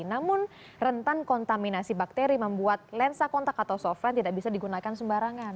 namun rentan kontaminasi bakteri membuat lensa kontak atau softren tidak bisa digunakan sembarangan